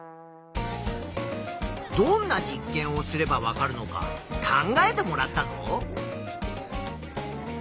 どんな実験をすればわかるのか考えてもらったぞ。